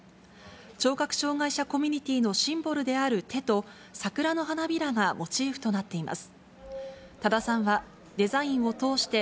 聴覚障がい者コミュニティーのシンボルである手と、桜の花びらがモチーフとなっています。